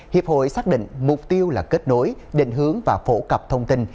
hiệp hội xác định mục tiêu là kết nối định hướng và phổ cập thông tin